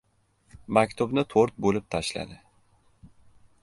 Maktubni to‘rt bo‘lib tashladi.